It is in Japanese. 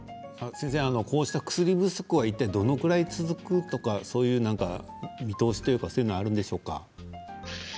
こうした薬不足はいったい、どのぐらい続くとか見通しというかそういうのはあるんでしょうか？